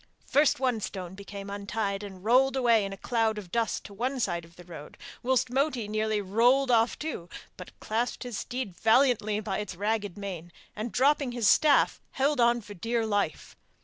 First one stone became untied and rolled away in a cloud of dust to one side of the road, whilst Moti nearly rolled off too, but clasped his steed valiantly by its ragged mane, and, dropping his staff, held on for dear life.